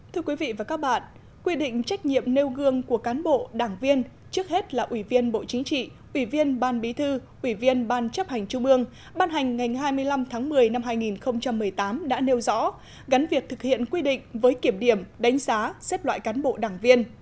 thưa quý vị và các bạn quy định trách nhiệm nêu gương của cán bộ đảng viên trước hết là ủy viên bộ chính trị ủy viên ban bí thư ủy viên ban chấp hành trung ương ban hành ngày hai mươi năm tháng một mươi năm hai nghìn một mươi tám đã nêu rõ gắn việc thực hiện quy định với kiểm điểm đánh giá xếp loại cán bộ đảng viên